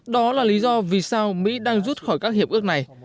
đó là lý do vì sao mỹ đang rút khỏi các hiệp ước này